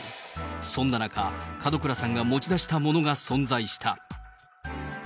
そんな中、門倉さんが持ち出したものが存在した。